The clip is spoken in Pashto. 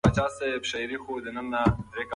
ټول پښتانه يو دي.